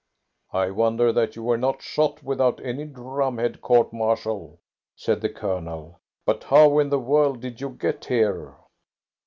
"I wonder that you were not shot without any drumhead court martial," said the Colonel. "But how in the world did you get here?"